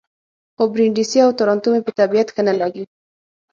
خو برېنډېسي او تارانتو مې په طبیعت ښه نه لګي.